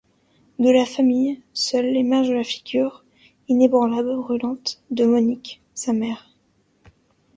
De la famille, seule émerge la figure, inébranlable, brûlante, de Monique, sa mère.